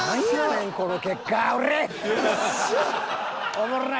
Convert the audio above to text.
おもろない。